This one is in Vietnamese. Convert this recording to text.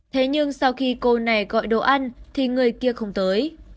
thế nhưng sau khi cô này gọi đồ ăn thì người kia không tới